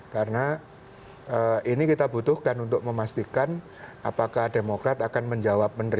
karena ini kita butuhkan untuk memastikan apakah demokrat akan menjawab mendaftar